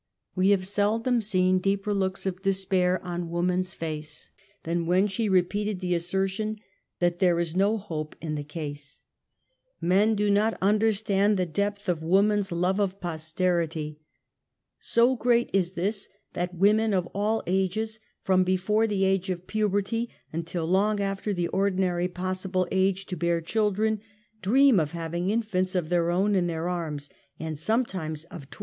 We have seldom seen deeper Xlooks of despair on woman's face than when she re peated the assertion that "there is no hope in the case." Men do not understand the depth of woman's BARRENNESS. 6^ love of posterity. So great is this that women of all ages, from before the age of puberty, until long after the ordinary possible age to bear children, > dream of having infants of their own in their arms, and sometimes of twj.